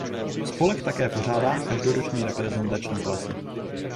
Spolek také pořádá každoroční reprezentační plesy.